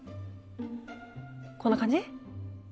こんな感じ？